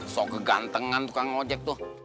so kegantengan tukang ojek tuh